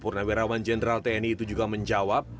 purnawirawan jenderal tni itu juga menjawab